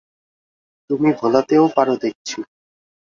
তুমি ভোলাতেও পারো দেখছি।